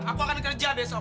aku akan kerja besok